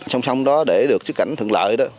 song song đó để được xuất cảnh thượng lợi